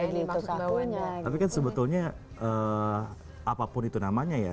tapi kan sebetulnya apapun itu namanya ya